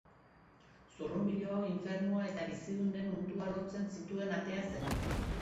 Zurrunbilo hau infernua eta bizidunen mundua lotzen zituen atea zen.